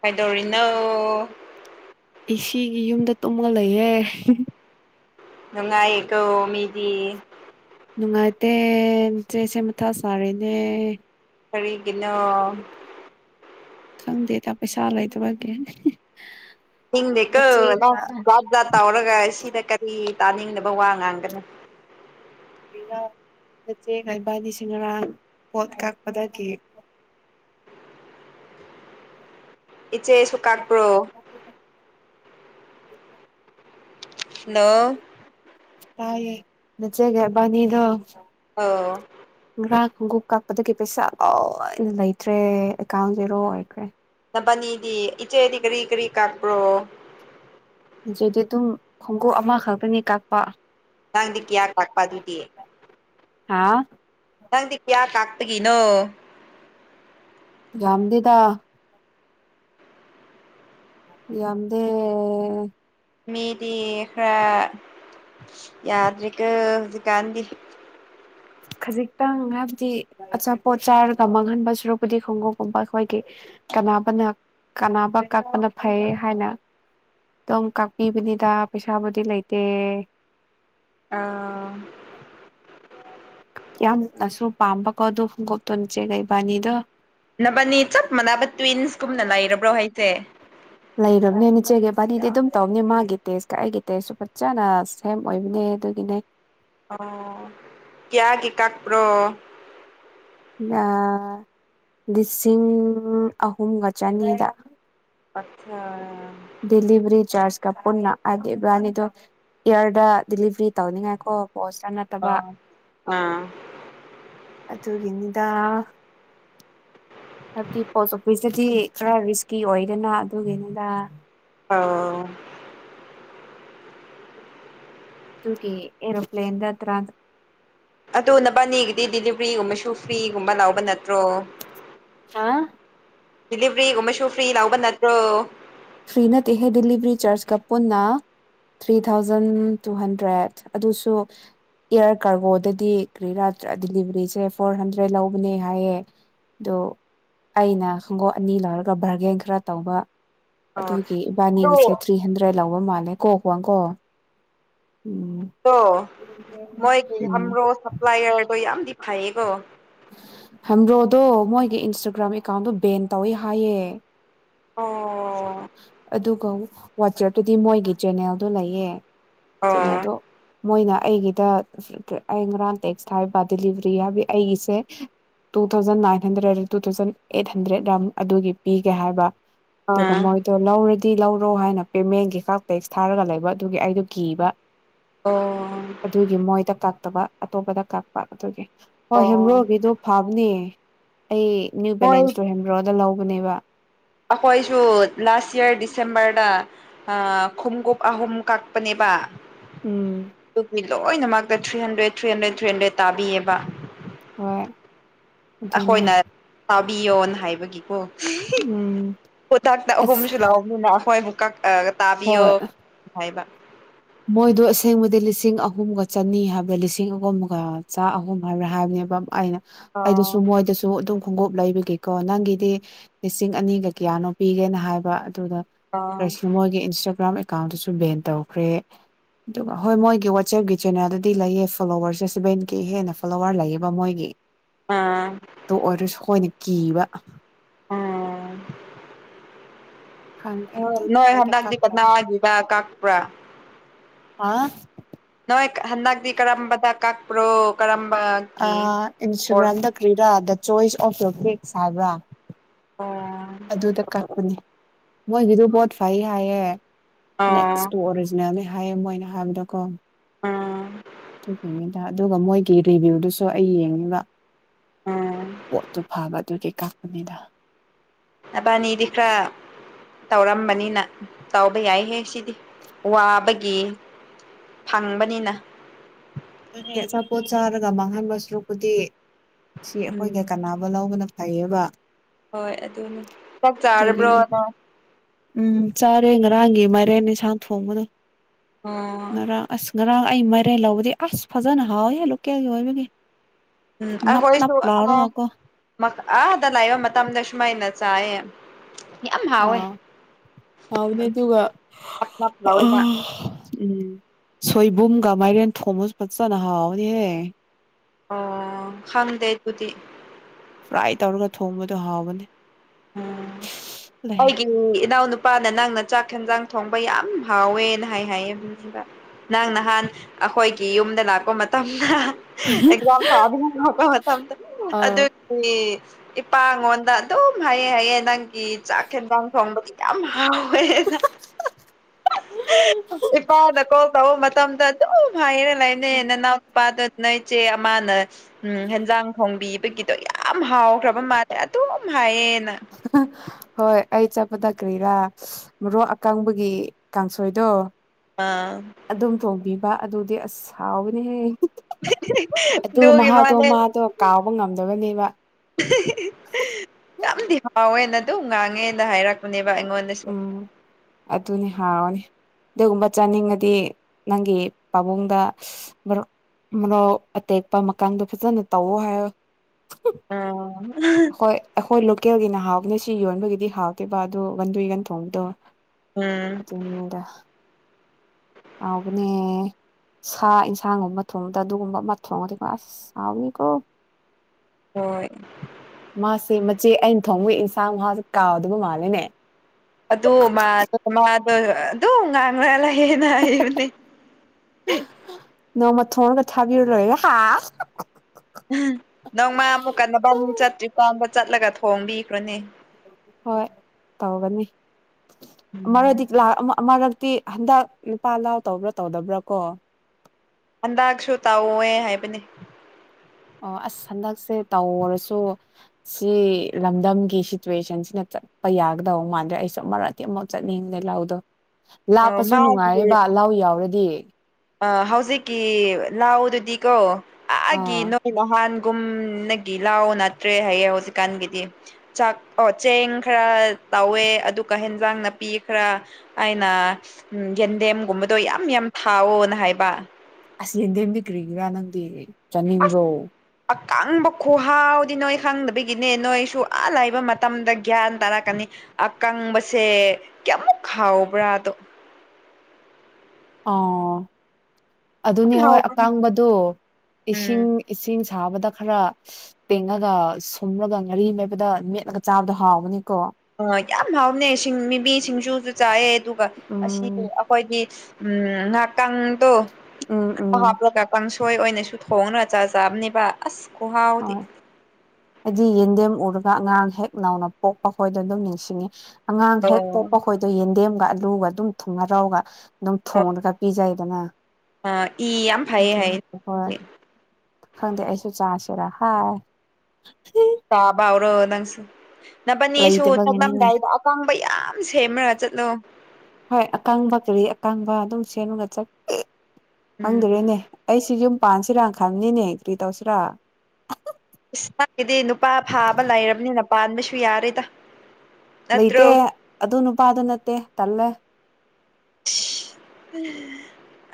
ꯀꯩꯗꯧꯔꯤꯅꯧ ꯏꯒꯤ ꯌꯨꯝꯗ ꯇꯨꯝꯉ ꯂꯩꯌꯦꯦ ꯅꯨꯡꯉꯥꯏꯥꯏꯀꯣ ꯃꯤꯗꯤ ꯅꯨꯡꯉꯥꯏꯇꯦ ꯏꯆꯦꯆꯦ ꯃꯊꯥ ꯆꯥꯔꯦꯅꯦ ꯀꯔꯤ ꯀꯅꯣ ꯈꯪꯗꯦꯗ ꯄꯩꯁꯥ ꯂꯩꯇꯕꯒꯤ ꯍꯤꯡꯗꯦ ꯀ ꯅꯆꯦꯒ ꯥ ꯥꯇꯥ ꯑꯣꯔꯒ ꯁꯤꯗ ꯀꯔꯤ ꯇꯥꯅꯤꯡꯗꯅꯕ ꯋꯥ ꯉꯥꯡꯒꯅꯤ ꯔ ꯅꯆꯦ ꯂꯩꯕꯅꯤꯁꯤꯡꯅꯔꯥꯡ ꯄꯣꯠ ꯀꯛꯄꯗꯒꯤ ꯏꯆꯦꯁꯨ ꯀꯥꯛꯄ꯭ꯔꯣ ꯍꯜꯂꯣ ꯇꯥꯏꯌꯦ ꯅꯆꯒꯕꯅꯤꯗꯨꯣ ꯑ [unintelligible] [inaudible] ꯈꯔꯥ ꯈꯣꯡꯎꯞ ꯀꯥꯄꯗꯒꯤ ꯄꯩꯁꯥ ꯂꯣꯏꯅ ꯂꯩꯇ꯭ꯔꯦ ꯑꯦꯀꯥꯎꯟ ꯖꯦꯔꯣ ꯑꯣꯏꯈ꯭ꯔꯦ ꯅꯤꯗꯤ ꯏꯆꯦꯗꯤ ꯀꯔꯤ ꯀꯔꯤ ꯀꯥꯄ꯭ꯔꯣ ꯍꯧꯖꯤꯗꯤ ꯑꯗꯨꯝ ꯈꯣꯡꯎꯞ ꯑꯃꯈꯛꯇꯅꯤ ꯀꯛꯄ ꯅꯪꯗꯤ ꯀꯤꯌꯥ ꯀꯛꯄ ꯑꯗꯨꯗꯤ ꯍꯥꯥ ꯅꯪꯗꯤ ꯀꯌꯥ ꯀꯥꯥꯛꯇꯒꯤꯅꯣ ꯌꯥꯝꯗꯗ ꯗ [unintelligible] [inaudible] ꯃꯤꯗꯤ ꯈꯔ ꯌꯥꯗꯀ ꯍꯧꯖꯤꯀꯥꯟꯙꯤ ꯈꯖꯤꯛꯇꯪ ꯍꯥꯏꯕꯗꯤ ꯑꯆꯥꯄꯣꯠ ꯆꯥꯔꯒ ꯃꯥꯡꯍꯟꯕ ꯁꯔꯨꯕꯨꯗꯤ ꯈꯣꯡꯎꯞꯒꯨꯝꯕ ꯑꯩꯈꯣꯏꯒꯤ ꯀꯅꯥꯕꯅ ꯀꯅꯥꯕ ꯀꯛꯄꯅ ꯐꯩ ꯍꯥꯏꯅ ꯑꯗꯨꯝ ꯀꯥꯛꯄꯤꯕꯅꯤꯗ ꯄꯩꯁꯥꯕꯨꯗꯤ ꯂꯩꯇꯦ ꯑꯥ ꯌꯥꯝꯅꯁꯨ ꯄꯥꯝꯕꯀꯣ ꯑꯗꯨ ꯈꯣꯡꯀꯞꯇꯣꯟꯆꯦ ꯀꯩ ꯏꯕꯥꯅꯤꯗꯣ ꯅꯕꯅꯤ ꯆꯞ ꯃꯥꯟꯅꯕ ꯇ꯭ꯋꯤꯟꯁꯀꯨꯝꯅ ꯂꯩꯔꯕ꯭ꯔꯣ ꯍꯥꯏꯁꯦ ꯂꯩꯔꯕꯅꯦ ꯏꯆꯦꯒꯤꯕꯥꯅꯤꯗꯤ ꯑꯗꯨꯝ ꯇꯧꯕꯅꯤ ꯃꯥꯒꯤ ꯇꯦꯁꯀ ꯑꯩꯒꯤ ꯇꯦꯁꯁꯨ ꯐꯖꯅ ꯁꯦꯝ ꯑꯣꯏꯕꯅꯦ ꯑꯗꯨꯒꯤꯅꯦ ꯑꯣ ꯀꯌꯥ ꯀ ꯀ ꯄꯨ꯭ꯔꯣ ꯂꯤꯁꯤꯡ ꯑꯍꯨꯝꯒ ꯆꯅꯤꯗ ꯑ [unintelligible] [inaudible] ꯗꯗꯤꯂꯤꯚꯔꯤ ꯆꯥꯖ ꯀ ꯄꯨꯅ ꯑꯗꯕꯅꯤꯗꯣ ꯏꯌꯔꯗ ꯗꯤꯂꯤꯚꯔꯤ ꯇꯧꯅꯤꯡꯉꯥꯏ ꯀꯣ ꯄꯣꯁꯇ ꯑ ꯅꯠꯇꯕ ꯑꯥ ꯑꯗꯨꯒꯤꯅꯤꯗ ꯍꯥꯏꯕꯗꯤ ꯄꯣꯁ ꯑꯣꯐꯤꯁꯇꯗꯤ ꯈꯔ ꯔꯤꯁꯀꯤ ꯑꯣꯏꯗꯅ ꯑꯗꯨꯒꯤꯅꯤꯗ ꯑꯣ ꯀ ꯑꯦꯔꯣꯄ꯭ꯂꯦꯟꯗ ꯇꯔꯥ ꯑꯗꯨ ꯅꯕꯥꯅꯤꯒꯤꯗꯤ ꯗꯗꯤꯂꯤꯚ꯭ꯔꯤꯒꯨꯝꯕꯁꯨ ꯐ꯭ꯔꯤꯒꯨꯝꯕ ꯂꯕ ꯅꯠꯇ꯭ꯔꯣ ꯍꯥ ꯗꯤꯂꯤꯚ꯭ꯔꯤꯒꯨꯝꯕꯁꯨ ꯐ꯭ꯔꯤ ꯂꯥꯎꯕ ꯅꯠꯇ꯭ꯔꯣ ꯐ꯭ꯔꯤꯅꯠꯍꯦ ꯗꯤꯂꯤꯚꯔꯤ ꯆꯥꯔꯖ ꯀ ꯄꯨꯟꯅ ꯊ꯭ꯔꯤ ꯊꯥꯎꯖꯟ ꯇꯨ ꯍꯟꯗ꯭ꯔꯦꯠ ꯑꯗꯨꯁꯨ ꯑꯦꯌꯥꯔ ꯀꯥꯔꯒꯣꯗꯗꯤ ꯀꯔꯤꯔ [unintelligible] ꯗꯤꯂꯤꯚꯔꯤꯁꯦ ꯐꯣꯔ ꯍꯟꯗ꯭ꯔꯦꯗ ꯂꯧꯕꯅꯦ ꯍꯥꯏꯌꯦ ꯑꯗꯨ ꯑꯩꯅ ꯈꯣꯡꯒꯧ ꯑꯅꯤ ꯂꯧꯔꯒ ꯕꯥꯔꯒꯦꯟ ꯈꯔ ꯇꯧꯕ ꯑꯣ ꯑꯗꯨꯒꯤ ꯑꯗꯣ ꯏꯕꯥꯅꯤꯒꯤꯁꯦ ꯊ꯭ꯔꯤ ꯍꯟꯗ꯭ꯔꯦꯗ ꯂꯧꯕ ꯃꯥꯜꯂꯦ ꯀꯣ [unintelligible] ꯀꯣ ꯑꯗꯣ ꯃꯣꯏꯒꯤ ꯎꯝ ꯍꯥꯝꯔꯣ ꯁꯄ꯭ꯂꯥꯏꯌꯔꯗꯣ ꯌꯥꯝꯗꯤ ꯐꯩꯌꯦꯀꯣ ꯍꯝꯔꯣꯗꯣ ꯃꯣꯏꯒꯤ ꯏꯟꯁꯇꯥꯒ꯭ꯔꯥꯝ ꯑꯦꯀꯥꯎꯟꯗꯣ ꯕꯦꯟ ꯇꯧꯏ ꯍꯥꯏꯌꯦ ꯑꯣ ꯑꯗꯨꯒ ꯋꯥꯆꯦꯞꯇꯨꯗꯤ ꯃꯣꯏꯒꯤ ꯆꯦꯅꯦꯜꯗꯣ ꯂꯩꯌꯦ ꯑꯣ ꯆꯅꯦꯗꯣ ꯃꯣꯏꯅ ꯑꯩꯒꯤꯗ ꯑꯩ ꯉꯔꯥꯡ ꯇꯦꯛꯁ ꯍꯥꯏꯕ ꯗꯗꯤꯂꯤꯚꯔꯤ ꯍꯥꯏꯕ ꯑꯩꯒꯤꯁꯦ two thousand nine hundred two thousand eight hundred ꯑꯗꯨꯒꯤ ꯄꯤꯒꯦ ꯍꯥꯏꯕ ꯑꯗꯨꯒ ꯑꯥ ꯃꯣꯏꯗꯣ ꯂꯧꯔꯗꯤ ꯂꯧꯔꯣ ꯍꯥꯏꯅ ꯄꯦꯃꯦꯟꯒꯤ ꯀ ꯇꯦꯛꯁ ꯊꯥꯔꯒ ꯂꯩꯕ ꯑꯗꯨꯒꯤ ꯑꯩꯗꯣ ꯀꯤꯕ ꯑꯣ ꯑꯗꯨꯒꯤ ꯃꯣꯏꯗ ꯀꯥꯛꯇꯕ ꯑꯇꯣꯞꯄꯗ ꯀꯛꯄ ꯑꯗꯨꯒꯤ ꯍꯣꯏ ꯑꯣ ꯍꯦꯝꯔꯣꯒꯦꯗꯣ ꯐꯥꯕꯅꯦ ꯑꯩ ꯅꯅꯤꯌꯨ ꯍꯣꯏ ꯕꯦꯂꯦꯟꯁ ꯇꯨ ꯍꯦꯝꯕ꯭ꯔꯣꯗ ꯂꯧꯕꯅꯦꯕ ꯑꯩꯈꯣꯏꯁꯨ ꯂꯥꯁ ꯌꯌꯥꯔ ꯗꯤꯁꯦꯝꯕꯔꯗ ꯈꯣꯡꯎꯞ ꯑꯍꯨꯝ ꯀꯛꯄꯅꯦꯕ ꯎꯝ ꯑꯗꯨ ꯂꯣꯏꯅꯃꯛꯇ three hundred three hundred three hundred ꯇꯥꯕꯤꯑꯕ ꯍꯣꯏ ꯑꯗꯨꯅꯦ ꯑꯩꯈꯣꯏꯅ ꯇꯥꯕꯤꯌꯣꯅ ꯍꯥꯏꯕꯒꯤꯀꯣ ꯎꯝ ꯄꯣꯊꯥꯛꯇ ꯑꯁ ꯑꯍꯨꯝꯁꯨ ꯂꯥꯛꯅꯤꯅ ꯑꯩꯈꯣꯏꯕꯨ ꯀꯛ ꯑ ꯇꯥꯕꯤꯌꯣ ꯍꯥꯏꯕ ꯃꯣꯏꯗꯨ ꯑꯁꯦꯡꯕꯗꯤ ꯂꯤꯁꯤ ꯂꯤꯁꯤꯡ ꯑꯍꯨꯝꯒ ꯆꯅꯤ ꯍꯥꯏꯕ꯭ꯔꯥ ꯂꯤꯁꯤꯡ ꯑꯍꯨꯝꯒ ꯆꯥ ꯑꯍꯨꯝ ꯍꯥꯏꯕ꯭ꯔꯥ ꯍꯥꯏꯕꯅꯦꯕ ꯑꯩꯅ ꯑꯩꯗꯁꯨ ꯑꯣ ꯃꯣꯏꯗꯁꯨ ꯑꯗꯨꯝ ꯈꯣꯡꯎꯞ ꯂꯩꯕꯒꯤꯦꯀꯣ ꯅꯪꯒꯤꯗꯤ ꯂꯤꯁꯤꯡ ꯑꯅꯤꯒ ꯀꯌꯥꯅꯣ ꯄꯤꯒꯦꯅ ꯍꯥꯏꯕ ꯑꯗꯨꯗ ꯑꯣ ꯀꯔꯤꯁꯤꯅ ꯃꯣꯏꯒꯤ ꯏꯟꯁꯇꯥꯒ꯭ꯔꯥꯝ ꯑꯦꯀꯥꯎꯟꯗꯨꯁꯨ ꯕꯦꯟ ꯇꯧꯈ꯭ꯔꯦ [inaudible] ꯑꯗꯨꯒ ꯍꯣꯏ ꯃꯣꯏꯒꯤ ꯋꯥꯆꯦꯞꯒꯤ ꯆꯦꯅꯦꯜꯗꯗꯤ ꯂꯩꯌꯦ ꯐꯣꯂꯣꯋꯔ ꯁꯦꯁꯕꯦꯟꯒꯤ ꯍꯦꯟꯅ ꯐꯣꯂꯣꯋꯔ ꯂꯩꯌꯦꯕ ꯃꯣꯏꯒꯤ ꯑꯥ ꯇꯨ ꯑꯣꯏꯔꯁꯨ ꯑꯩꯣꯏꯅ ꯀꯤꯕ ꯑꯝ ꯈꯪꯗꯦ ꯎ ꯑꯗꯨꯒꯤ ꯅꯣꯏ ꯃꯣꯏꯗ ꯍꯟꯗꯛꯇꯗꯤ ꯀꯅꯥ ꯀꯛꯇ꯭ꯔꯕꯅꯤ ꯍꯥꯏꯕ ꯀꯥꯄ꯭ꯔꯥ ꯑꯥ ꯍꯟꯗꯛꯇꯤ ꯀꯔꯝꯕꯗ ꯀꯛꯄ꯭ꯔꯣ ꯀꯔ ꯏꯟꯁꯇꯒ꯭ꯔꯥꯝꯗ ꯀ꯭ꯔꯤꯔꯥ the choice of your cakes ꯍꯥꯏꯕ꯭ꯔꯥ ꯑꯣ ꯑꯗꯨꯗ ꯀꯛꯄꯅꯦ ꯃꯣꯏꯒꯤꯗꯨ ꯄꯣꯠ ꯐꯩ ꯍꯥꯏꯌꯦ ꯑꯣ ꯅꯦꯛꯁꯇꯣ ꯑꯣꯔꯤꯖꯤꯅꯦꯜ ꯍꯥꯏꯌꯦ ꯃꯣꯏꯅ ꯍꯥꯏꯕꯗꯀꯣ ꯎꯝ ꯑꯗꯨ ꯑꯗꯨꯒ ꯃꯣꯏꯒꯤ ꯔꯤꯚ꯭ꯌꯨꯗꯨꯁꯨ ꯑꯩ ꯌꯦꯡꯉꯤꯕ ꯎꯝ ꯄꯣꯠꯇꯨ ꯐꯕ ꯑꯗꯨ ꯀꯥꯞꯅꯤꯗ ꯑꯕꯅꯤ ꯏꯗꯤ ꯈ꯭ꯔꯥ ꯇꯧꯔꯝꯕꯅꯤꯅ ꯇꯧꯕ ꯌꯥꯏꯍꯦ ꯁꯤꯗꯤ ꯋꯥꯕꯒꯤ ꯐꯪꯕꯅꯤꯅ ꯑꯗꯨ ꯑꯆꯥꯄꯣꯠ ꯆꯥꯔꯒ ꯃꯥꯡꯍꯟꯕ ꯁꯔꯨꯛꯄꯨꯗꯤ ꯁꯤ ꯎꯝ ꯑꯩꯈꯣꯏꯗ ꯀꯥꯟꯅꯕ ꯂꯧꯕꯅ ꯐꯩꯑꯕ ꯍꯣꯏ ꯑꯗꯨꯅꯤ ꯆꯥꯛ ꯆꯥꯔꯕ꯭ꯔꯣ ꯗꯨꯒꯤꯅꯤ ꯅꯪ ꯎꯝ ꯆꯥ ꯉꯣꯔꯦꯟ ꯉꯔꯥꯡꯒꯤ ꯃꯥꯏꯔꯦꯟ ꯏꯟꯁꯥꯡ ꯊꯣꯡꯕꯗꯣ ꯑꯣ ꯉꯔꯥꯡ ꯑꯁ ꯉꯔꯥꯡ ꯑꯩ ꯃꯥꯏꯔꯦꯟ ꯂꯧꯕꯗꯤ ꯑꯁ ꯐꯖꯅ ꯍꯥꯎꯋ ꯂꯀꯦꯜꯒꯤ ꯑꯣꯏꯕꯒꯦ ꯎꯝ ꯑꯩꯈꯣꯏꯁꯨ ꯑꯥꯗ ꯂꯥꯛꯏꯕ ꯃꯇꯝꯗ ꯁꯨꯃꯥꯏꯅ ꯆꯥꯏꯌꯦ ꯌꯥꯝ ꯑ ꯍꯥꯎꯋꯦ ꯍꯅꯦ ꯑꯗꯨꯒꯒ ꯅꯞ ꯅꯞ ꯂꯥꯎꯋꯦꯕ ꯎꯝ ꯁꯣꯏꯕꯨꯝꯒ ꯃꯥꯏꯔꯦꯟ ꯊꯣꯃꯁ ꯐꯖꯅ ꯍꯥꯎꯅꯦꯍꯦ ꯑꯣ ꯈꯪꯗꯦꯕꯨꯗꯤꯤ ꯐ꯭ꯔꯥꯏ ꯇꯧꯔꯒ ꯊꯣꯡꯕꯗꯨꯣ ꯍꯥꯎꯕꯅꯦ ꯎꯝ ꯂꯩ ꯍꯥꯏꯒꯤ ꯅꯅꯥꯅ ꯄꯔ ꯍꯥꯟꯅ ꯅꯪꯅ ꯆꯥꯛ ꯌꯦꯟꯖꯥꯡ ꯊꯣꯡꯕ ꯌꯥꯝ ꯍꯥꯎꯋꯦꯅ ꯍꯥꯏ ꯍꯥꯏꯌꯦ ꯅꯪ ꯅꯍꯥꯟ ꯑꯩꯈꯣꯏꯒꯤ ꯌꯨꯝꯗ ꯂꯥꯛꯄ ꯃꯇꯝꯗ ꯑꯦꯛꯖꯝꯗ ꯃꯇꯝ ꯑꯗꯨ ꯑꯥ ꯏꯄꯥꯉꯣꯟꯗ ꯑꯗꯨꯝ ꯍꯥꯏꯑꯦ ꯍꯥꯏꯑꯦ ꯅꯪꯒꯤ ꯆꯥꯛ ꯌꯦꯦꯟꯖꯥꯡ ꯊꯣꯡꯕꯗꯤ ꯌꯥꯝ ꯍꯥꯎ ꯏꯄꯥꯗ ꯀꯣ ꯀ ꯃ ꯃꯇꯝꯗ ꯑꯗꯨꯝ ꯍꯥꯏꯔꯦ ꯂꯩꯕꯅꯦ ꯅꯅꯥꯎ ꯅꯨꯄꯥꯗꯨ ꯅ ꯏꯆꯦ ꯑꯃꯅ ꯎꯝ ꯍꯦꯟꯖꯥꯡ ꯈꯣꯡꯕꯤꯕꯒꯤꯗꯣ ꯌꯥꯝ ꯍꯥꯎꯈ꯭ꯔꯕ ꯃꯥꯜꯂꯦ ꯑꯗꯨꯝ ꯍꯥꯏꯌꯦ ꯍꯣꯏ ꯑꯩ ꯆꯠꯄꯗ ꯀ꯭ꯔꯤꯔꯥ ꯃꯔꯣꯛ ꯑꯀꯪꯕꯒꯤ ꯀꯥꯡꯁꯣꯏꯗꯣ ꯑꯥ ꯑꯗꯨꯝ ꯊꯣꯡꯕꯤꯕ ꯑꯗꯨꯗꯤ ꯑꯁ ꯁꯥꯎꯕꯅꯦꯍꯦ ꯑꯗꯨ ꯑꯗꯨꯒꯤ ꯃꯍꯥꯛꯗꯣ ꯃꯥꯅꯦ ꯃꯥꯗꯣ ꯀꯥꯎꯕ ꯉꯝ ꯅꯅꯦꯕ ꯌꯥꯝꯗꯤ ꯍꯥꯎꯋꯦꯅ ꯑꯗꯨꯝ ꯉꯥꯡꯉꯦꯅ ꯍꯥꯏꯔꯛꯄꯅꯦꯕ ꯥꯏꯉꯟꯅ ꯇꯨꯅꯤ ꯍꯥꯎꯅꯦ ꯑꯗꯨꯒꯨꯝꯕ ꯆꯥꯅꯤꯡꯉꯗꯤ ꯅꯪꯒꯤ ꯄꯥꯕꯨꯡꯗ ꯃꯔꯣ ꯑꯇꯦꯛꯄ ꯃꯥꯡꯗꯣ ꯐꯖꯅ ꯇꯧꯋ ꯍꯥꯏꯌꯣ ꯎꯝ ꯍꯣꯏ ꯑꯩꯈꯣꯏ ꯂꯣꯀꯦꯜꯒꯤꯅ ꯍꯥꯎꯕꯅꯦ ꯁꯤ ꯌꯣꯟꯕꯒꯤꯗꯤ ꯍꯥꯎꯇꯦꯕ ꯑꯗꯣ ꯒꯟꯗꯏꯒꯟ ꯐꯣꯡꯗꯣ ꯎꯝ ꯑꯗꯨꯗ ꯑꯕꯅꯦ ꯁꯥ ꯌꯦꯟꯁꯥꯡꯒꯨꯝꯕ ꯊꯣꯡꯕꯗ ꯑꯗꯨꯒꯨꯝꯕ ꯑꯃ ꯊꯣꯡꯉꯗꯤꯀꯣ ꯑꯁ ꯁꯥꯎꯅꯤꯀꯣ ꯍꯣꯏ ꯃꯥꯁꯦ ꯃꯆꯦ ꯑꯩꯅ ꯊꯣꯡꯕ ꯏꯟꯁꯥꯡ ꯃꯥꯁꯦ ꯀꯥꯎꯗꯕ ꯃꯥꯜꯂꯦꯅꯦ ꯑꯗꯨ ꯑꯗꯨ ꯃꯥꯗ ꯃꯥ ꯑꯗꯨ ꯑꯗꯨ ꯑꯗꯨ ꯉꯥꯡꯥꯡꯥꯂ ꯀꯅꯑ ꯑꯣꯅꯤ ꯄꯊ ꯀꯊꯕꯤ ꯑꯣꯏꯔꯦ ꯅꯪ ꯃꯥ ꯑꯃꯨꯛ ꯀꯟꯅꯕꯅꯤ ꯆꯠꯇ꯭ꯔꯤꯀꯥꯟꯗ ꯆꯠꯂꯒ ꯊꯣꯡꯝꯕꯤ ꯍꯣꯏ ꯇꯧꯒꯅꯤ ꯑꯃꯔꯣꯗꯤ ꯂ ꯑꯃ ꯇꯤ ꯍꯟꯗꯛ ꯅꯨꯨꯄꯥ ꯂꯥꯎ ꯇꯧꯕ꯭ꯔꯥ ꯇꯧꯗꯕ꯭ꯔꯥ ꯀꯣ ꯑꯟꯗꯒꯁꯨ ꯇꯥꯑꯣꯋ ꯍꯥꯏꯕꯅꯤ ꯑꯣ ꯑꯁ ꯍꯟꯗꯛꯁꯦ ꯇꯧꯔꯁꯨ ꯁꯤ ꯂꯝꯗꯝꯒꯤ ꯁꯤꯆꯨꯋꯦꯁꯟꯁꯤꯅ ꯆꯠꯄ ꯌꯥꯒꯗꯧ ꯃꯥꯟꯗ꯭ꯔꯦ ꯑꯩꯁꯨ ꯃꯔꯥꯇꯦ ꯑꯃꯐꯥꯎ ꯆꯠꯅꯤꯡꯗꯦ ꯂꯗꯣ ꯑ ꯂꯥꯞꯄꯁꯨ ꯅꯨꯡꯉꯥꯏꯔꯦꯕ ꯂꯥꯎ ꯌꯥꯎꯔꯗꯤ ꯑ ꯍꯧꯖꯤꯛꯀꯤ ꯂꯥꯎꯗꯨꯗꯤ ꯀꯣ ꯑꯥꯒꯤ ꯑꯥ ꯅꯣꯏ ꯅꯍꯥꯟꯒꯨꯝ ꯅ ꯒꯤꯤꯜ ꯂꯥꯎ ꯅꯠꯇ꯭ꯔꯦ ꯍꯥꯏꯌꯦ ꯍꯧꯖꯤꯛꯀꯥꯟꯒꯤꯗꯤ ꯆꯥꯛ ꯑꯣ ꯆꯦꯡ ꯈꯔ ꯇꯧꯋꯦ ꯑꯗꯨꯒ ꯌꯦꯟꯖꯥꯡ ꯅꯥꯄꯤꯈ꯭ꯔꯥ ꯑꯩꯅ ꯌꯦꯟꯗꯦꯝꯒꯨꯝꯕꯗꯣ ꯌꯥꯝ ꯌꯥꯝ ꯊꯥꯎꯋ ꯐ ꯍꯥꯏꯕ ꯑꯁ ꯌꯦꯟꯗꯦꯝꯗꯤ ꯀ꯭ꯔꯤꯒꯤꯔꯥ ꯅꯪꯗꯤ ꯆꯥꯅꯤꯡ꯭ꯔꯣ ꯀꯪꯕ ꯈꯨꯍꯥꯎꯗꯤ ꯅꯣꯏ ꯈꯪꯗꯕꯒꯤꯅꯦ ꯅꯣꯏꯁꯨ ꯑꯥꯥꯏꯕ ꯃꯇꯝꯗ ꯒ꯭ꯌꯥꯟ ꯇꯥꯔꯛꯀꯅꯤ ꯑꯀꯪꯕꯁꯦ ꯀꯌꯥꯃꯨꯛ ꯈꯥꯎꯕ꯭ꯔꯥꯗꯣ ꯑꯣ ꯌꯥꯝ ꯑꯗꯨꯅꯤ ꯍꯣꯏ ꯍꯥꯎꯕꯅꯦ ꯑꯇꯥꯡꯕꯗꯣ ꯎꯝ ꯏꯁꯤꯡ ꯏꯁꯤꯡ ꯊꯥꯕꯗ ꯈꯔ ꯇꯦꯡꯉꯒ ꯁꯨꯝꯂꯒ ꯉꯥꯔꯤ ꯃꯩꯕꯗ ꯃꯦꯠꯂꯒ ꯆꯥꯕꯗꯣ ꯍꯥꯎꯕꯅꯤꯀꯣ ꯑ ꯌꯥꯝ ꯍꯥꯎꯅꯁꯤꯡ ꯃꯤꯃꯤ ꯁꯤꯡꯖꯨꯁꯨ ꯆꯥꯏꯑꯦ ꯑꯗꯨꯒ ꯑꯁꯤ ꯎꯝ ꯑꯩꯈꯣꯏꯗꯤ ꯎꯝ ꯉꯅꯥꯀꯥꯡ ꯇꯣ ꯎꯝ ꯎꯝ ꯍꯥꯞꯂ ꯀꯀꯥꯡ ꯑꯁꯣꯏ ꯑꯣꯏꯅꯁꯨ ꯊꯣꯡꯅ ꯑꯆꯥ ꯆꯥꯕꯅꯦꯕ ꯑꯁ ꯈꯍꯥꯎꯗꯤ ꯍꯥꯏꯕꯗꯤ ꯌꯦꯟꯗꯦꯝ ꯎꯔꯒ ꯑꯉꯥꯡ ꯍꯦꯛ ꯅꯧꯅ ꯄꯣꯛꯄ ꯈꯣꯏꯗ ꯑꯗꯨꯝ ꯅꯤꯡꯁꯤꯡꯉꯤ ꯑꯉꯥꯡ ꯍꯦꯛ ꯑꯣ ꯄꯣꯛꯄ ꯈꯣꯏꯗꯣ ꯌꯦꯟꯗꯦꯝꯒ ꯑꯂꯨꯒ ꯑꯗꯨꯝ ꯊꯨꯝ ꯍꯔꯥꯎꯒ ꯑꯗꯨꯝ ꯊꯣꯡꯉꯒ ꯄꯤꯖꯩ ꯑ ꯏ ꯌꯥꯝ ꯐꯩꯌꯦ ꯑꯗꯨꯅꯤ ꯍꯥꯏꯌꯦ ꯍꯣꯏ ꯈꯪꯗꯦ ꯑꯩꯁꯨ ꯆꯥꯁꯤꯔꯥ ꯍꯥꯏ ꯇꯥꯕꯎꯔꯣ ꯅꯪꯁꯦ ꯅꯕꯅꯤꯁꯨ ꯂꯩꯇꯕꯒꯤꯅꯤꯅꯦ ꯆꯛꯂꯝꯗꯥꯏꯗ ꯑꯀꯥꯡꯕ ꯌꯥꯝ ꯁꯦꯝꯃꯒ ꯆꯠꯂꯣ ꯍꯣꯏ ꯑꯀꯥꯡꯕ ꯀꯔꯤ ꯑꯀꯥꯡꯕ ꯑꯗꯨꯝ ꯁꯦꯝꯃꯒ ꯆꯠ ꯎꯝ ꯈꯪꯗꯔꯦꯅꯦ ꯑꯩꯁꯨ ꯌꯨꯝ ꯄꯥꯟꯁꯤꯔꯥꯅ ꯈꯪꯅꯤꯅꯦ ꯀꯔꯤ ꯇꯧꯁꯤꯔꯥ ꯏꯁꯒꯤꯗꯤ ꯅꯨꯄꯥ ꯐꯥꯕ ꯂꯩꯔꯕꯅꯤꯅ ꯄꯥꯟꯕꯁꯨ ꯌꯥꯔꯦꯗ ꯅꯠꯇ꯭ꯔꯣ ꯂꯩꯇꯦ ꯑꯗꯨ ꯅꯨꯄꯥꯗꯨ ꯅꯠꯇꯦ ꯇꯜꯂꯦ ꯎꯝ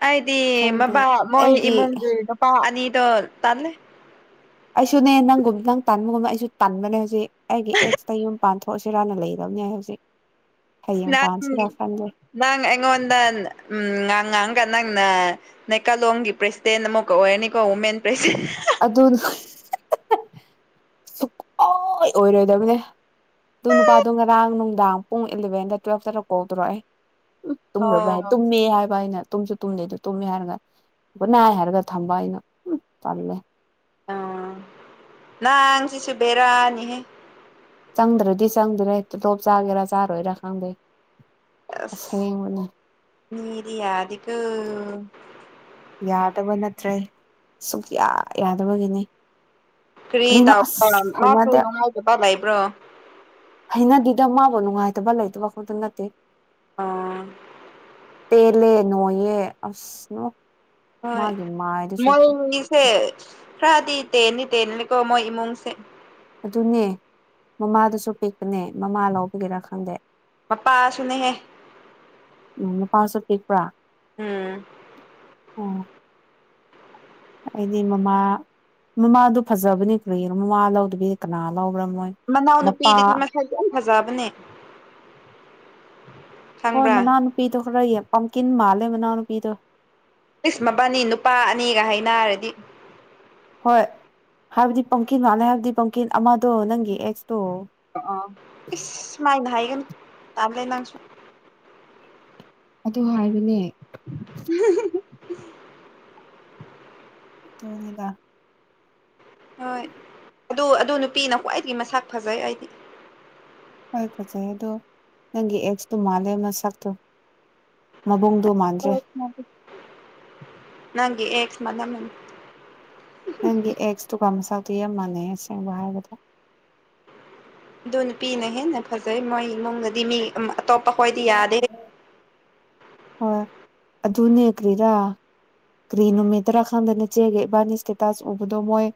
ꯑꯩꯗꯤ ꯈꯪꯗꯦ ꯃꯕꯥ ꯃꯣꯏ ꯑꯩꯒꯤ ꯏꯃꯨꯡꯒꯤ ꯅꯨꯄꯥ ꯑꯅꯤꯗꯣ ꯇꯜꯂꯦ ꯑꯩꯁꯨꯅꯦ ꯅꯪꯒꯨꯝ ꯅꯪ ꯇꯟꯕꯒꯨꯝꯕ ꯑꯩꯁꯨ ꯇꯟꯥꯟꯕꯅꯦ ꯍꯧꯖꯤꯛ ꯑꯩꯒꯤ ꯑꯦꯛꯁꯇ ꯌꯨꯝ ꯄꯥꯟ ꯍꯣꯏ ꯁꯤꯔꯥꯟꯅ ꯂꯩꯗꯕꯅꯤ ꯍꯧꯖꯤꯛ ꯍꯌꯦꯡ ꯅꯪ ꯄꯥꯟꯁꯤꯔꯥ ꯈꯟꯗꯦ ꯅꯪ ꯑꯩꯉꯣꯟꯗ ꯎꯝ ꯉꯥꯡ ꯉꯥꯡꯒ ꯅꯪ ꯅꯦꯀꯥꯂꯣꯡꯒꯤ ꯄ꯭ꯔꯁꯤꯗꯦꯟ ꯑꯃꯛ ꯑꯣꯏꯔꯅꯤꯀꯣ ꯋꯨꯃꯦꯟ ꯄ꯭ꯔꯁꯤꯗꯦꯟ ꯁꯨꯀꯣꯏ ꯑꯣꯏꯔꯣꯏꯗꯕꯅꯦ ꯑꯗꯨ ꯅꯨꯄꯥꯗꯣ ꯉꯔꯥꯡ ꯅꯨꯡꯗꯥꯡ ꯄꯨꯡ ꯏꯂꯚꯦꯟꯗ ꯇꯨꯋꯦꯜꯞꯇ ꯀꯧꯗꯣꯔꯛꯑꯦ ꯎ ꯇꯨꯝꯕ꯭ꯔꯥ ꯑꯣ ꯍꯥꯏ ꯇꯨꯝꯃꯦ ꯍꯥꯏꯕ ꯑꯩꯅ ꯇꯨꯝꯁꯨ ꯇꯨꯝꯗꯦ ꯑꯗꯨꯗ ꯇꯨꯝꯃꯦ ꯍꯥꯏꯔꯒ ꯅꯥꯏ ꯍꯥꯏꯔꯒ ꯊꯝꯕ ꯑꯩꯅ ꯎ ꯄꯜꯂꯦ ꯑ ꯅ ꯁꯤꯁꯨꯕꯦꯔꯥꯅꯤꯍꯦ ꯆꯪꯗ꯭ꯔꯗꯤ ꯆꯪꯗ꯭ꯔꯦ ꯇꯣꯞ ꯇꯣꯞ ꯆꯥꯒꯦꯔꯥ ꯆꯥꯔꯣꯏꯔꯥ ꯈꯪꯗꯦ ꯑ ꯑꯁꯦꯡꯕꯅꯤ ꯃꯤꯗꯤ ꯌꯥꯗꯤꯒ ꯌꯥꯗꯕ ꯅꯠꯇ꯭ꯔꯦ ꯁꯨꯛꯌꯥ ꯌꯥꯗꯕꯒꯤꯅꯤ ꯀꯔꯤ ꯀꯔꯤꯅꯣ ꯇꯥꯎ ꯑꯁ ꯃꯥꯁꯨ ꯍꯩꯅꯗꯦ ꯅꯨꯡꯉꯥꯏꯇꯦꯕ ꯂꯩꯕ꯭ꯔꯣ ꯏꯅꯗꯤꯗ ꯃꯥꯕꯣ ꯉꯥꯏ ꯍꯥꯏꯇꯣꯕꯜ ꯂꯩꯥꯏ ꯋꯥꯈꯗ ꯅꯠꯇꯦ ꯑꯥ ꯇꯦꯂꯦ ꯅꯣꯌꯦꯦ ꯑꯁꯅ ꯍꯣꯏ ꯃꯣꯏꯁꯦ ꯈꯗꯤ ꯇꯦꯅꯤ ꯇꯅꯤꯅꯤꯀꯣ ꯃꯣꯏ ꯏꯃꯨꯡꯁꯦ ꯑꯗꯨꯅꯦ ꯃꯃꯥꯗꯁꯨ ꯄꯤꯛꯄꯅꯦ ꯃꯃꯥ ꯂꯧꯕꯒꯤꯦꯔꯥ ꯈꯪꯗꯦ ꯃꯄꯥꯁꯨꯅꯦꯍꯦ ꯎꯝ ꯅꯨꯄꯥꯁꯨ ꯄꯦꯛꯄ꯭ꯔꯥ ꯎꯝ ꯑꯣ ꯑꯩꯗꯤ ꯃꯃꯥ ꯃꯃꯥꯗꯨ ꯐꯖꯕꯅꯤ ꯀꯔꯤꯣ ꯃꯃꯥ ꯂꯧꯗꯕꯤ ꯀꯅꯥ ꯂꯧꯕ꯭ꯔꯥ ꯃꯣꯏ ꯃꯄꯥ ꯃꯅꯥꯎꯅꯨꯄꯤꯗꯤ ꯃꯁꯥꯁꯨ ꯌꯥꯝ ꯐꯖꯕꯅꯦ ꯍꯣꯏ ꯈꯪꯕ꯭ꯔꯥ ꯃꯅꯥꯅꯨꯄꯤꯗꯣ ꯈꯔ ꯌꯦ ꯄꯝꯀꯤꯟ ꯃꯥꯜꯂꯦ ꯃꯅꯥꯎꯅꯨꯄꯤꯗꯣ ꯏꯁꯁ ꯃꯕꯥꯅꯤ ꯅꯨꯄꯥ ꯑꯅꯤꯒ ꯍꯥꯏꯅꯔꯗꯤ ꯍꯣꯏ ꯍꯥꯏꯕꯗꯤ ꯄꯪꯀꯤꯠ ꯃꯥꯜꯂꯦ ꯍꯥꯏꯕꯗꯤ ꯄꯪꯀꯤꯠ ꯑꯃꯗꯣ ꯅꯪꯒꯤ ꯑꯦꯁ ꯑ ꯏꯁꯃꯥꯏꯅ ꯍꯥꯏꯒꯅ ꯇꯝ ꯂꯩ ꯂꯪꯁꯨꯣ ꯑꯗꯨ ꯍꯥꯏꯕꯅꯦ [inaudible] ꯇꯣꯅꯤꯗ ꯍꯣꯏ ꯑꯗꯨ ꯑꯗꯨ ꯅꯨꯄꯤꯅ ꯈ꯭ꯋꯥꯏꯗꯒꯤ ꯃꯁꯥꯛ ꯐꯖꯩ ꯑꯩꯗꯤ ꯍꯣꯏ ꯐꯖꯩ ꯑꯗꯣ ꯅꯪꯒꯤ ꯑꯦꯛꯁꯇꯨ ꯃꯥꯜꯂꯦ ꯃꯁꯛꯇꯣ ꯃꯕꯨꯡ ꯅꯪꯒꯤ ꯑꯦꯁꯃ ꯅꯅꯤ ꯅꯪꯒꯤ ꯑꯦꯛꯁꯇꯨꯀ ꯃꯆꯥꯎꯗꯨꯣ ꯌꯥꯝ ꯃꯥꯥꯟꯅꯩ ꯑꯁꯦꯡꯕ ꯍꯥꯏꯕꯗ ꯑꯗꯨ ꯅꯨꯄꯤꯅ ꯍꯦꯟꯅ ꯐꯖꯩ ꯃꯣꯏꯃꯅꯨꯡꯗꯗꯤ ꯃꯤ ꯑꯇꯣꯞꯄ ꯍꯣꯏꯗꯤ ꯌꯥꯗꯦ ꯍ ꯑꯗꯨꯨꯅꯦ ꯌꯦꯈ꯭ꯔꯔꯤꯔ ꯀ꯭ꯔꯤ ꯅꯨꯃꯤꯇꯔꯥ ꯈꯥꯟꯗꯅ ꯆꯦꯒꯦ ꯏꯕꯥꯅꯤ ꯏꯁꯇꯦꯇꯥꯁ ꯎꯕꯗꯣ ꯃꯣꯏ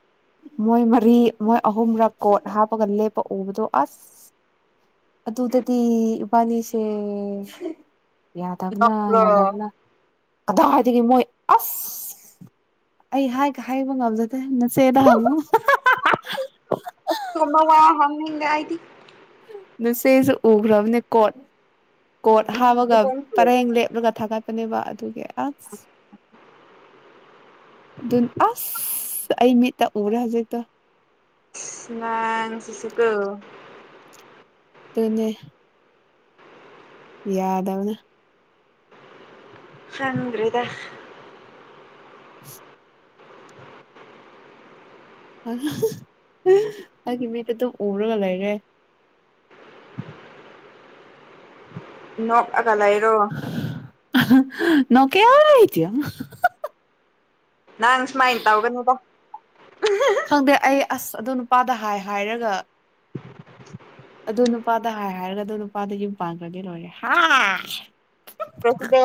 ꯃꯣꯏ ꯃꯔꯤ ꯃꯣꯏ ꯑꯍꯨꯝꯔꯛ ꯀꯣꯠ ꯍꯥꯞꯄꯒ ꯂꯦꯞꯄ ꯎꯕꯗꯣ ꯑꯁ ꯑꯗꯨꯗꯗꯤꯕꯥꯅꯤꯁꯦ ꯌꯥꯗꯕꯅ ꯅꯣꯛꯄ꯭ꯔꯣ ꯌꯥꯗꯕꯅ ꯀꯗꯥꯏꯋꯥꯏꯗꯒꯤ ꯃꯣꯏ ꯑꯁ ꯑꯩ ꯍꯥꯏꯒ ꯍꯥꯏꯕ ꯉꯝꯖꯗꯦ ꯟꯅ ꯁꯦꯗꯉꯣ ꯑꯗꯨꯒꯨꯝꯕ ꯋꯥ ꯍꯪꯅꯤꯡꯗꯦ ꯑꯩꯗꯤ ꯆꯦꯁꯨ ꯎꯈ꯭ꯔꯕꯅꯦ ꯀꯣꯠ ꯀꯣꯠ ꯍꯥꯞꯄꯒ ꯅꯊꯟꯇꯒꯤ ꯄꯔꯦꯡ ꯂꯦꯞꯂꯒ ꯊꯥꯒꯥꯏ ꯋꯥ ꯍꯧꯒꯦ ꯑ ꯑꯗꯨ ꯑꯁ ꯑꯩ ꯃꯤꯠꯇ ꯎꯔꯦ ꯍꯧꯖꯤꯛꯇꯣ ꯁ꯭ꯅꯁꯁꯤꯀ ꯇꯅꯦ ꯌꯥꯗꯎꯅ ꯍꯪꯒ꯭ꯔꯗ [inaudible] ꯑꯩꯒꯤ ꯃꯤꯗ ꯑꯗꯨꯝ ꯎꯔꯒ ꯂꯩꯔꯦ ꯅꯣꯛꯑꯒꯂꯥꯏꯔꯣ ꯅ ꯀꯦꯔ ꯍꯥꯏꯇ ꯅꯪ ꯁꯨꯃꯥꯏꯅ ꯇꯧꯒꯅꯤꯗ ꯈꯪꯗꯦ ꯑꯩ ꯑꯁ ꯑꯗꯨ ꯅꯨꯄꯥꯗ ꯍꯥꯏ ꯍꯥꯏꯔꯒ ꯑꯗꯨ ꯅꯨꯄꯥꯗ ꯍꯥꯏ ꯍꯥꯏꯔꯒ ꯑꯗꯨ ꯅꯨꯄꯥꯗ ꯌꯨꯝ ꯄꯥꯟꯈ꯭ꯔꯗꯤ ꯂꯣꯏꯔꯦ ꯇꯗ